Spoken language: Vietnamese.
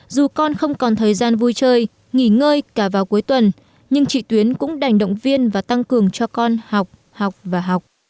dù con không còn thời gian vui chơi nghỉ ngơi cả vào cuối tuần nhưng chị tuyến cũng đành động viên và tăng cường cho con học học và học